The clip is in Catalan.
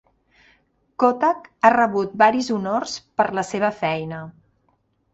Kottak ha rebut varis honors per la seva feina.